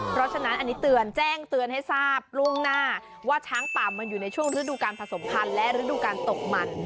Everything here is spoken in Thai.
เพราะฉะนั้นอันนี้เตือนแจ้งเตือนให้ทราบล่วงหน้าว่าช้างป่ามันอยู่ในช่วงฤดูการผสมพันธ์และฤดูการตกมัน